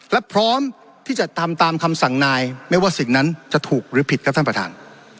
และพร้อมที่จะทำตามคำสั่งนายไม่ว่าสิ่งนั้นจะถูกหรือผิดครับท่านประธาน